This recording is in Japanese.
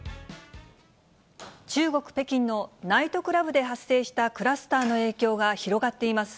中国・北京のナイトクラブで発生したクラスターの影響が広がっています。